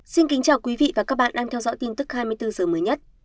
xin kính chào quý vị và các bạn đang theo dõi tin tức hai mươi bốn h mới nhất